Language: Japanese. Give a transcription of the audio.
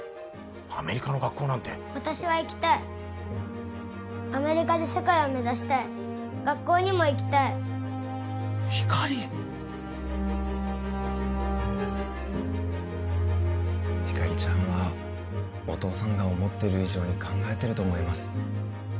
アメリカの学校なんて私は行きたいアメリカで世界を目指したい学校にも行きたいひかりひかりちゃんはお父さんが思ってる以上に考えてると思います